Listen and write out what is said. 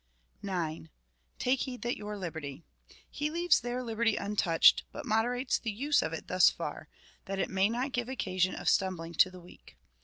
9. Take heed that your liberty. He leaves their liberty untouched, but moderates the use of it thus far — that it may not give occasion of stumbling ' to the weak.